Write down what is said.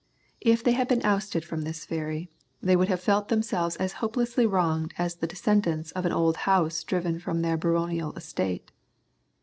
If they had been ousted from this ferry, they would have felt themselves as hopelessly wronged as the descendants of an old house driven from their baronial estate.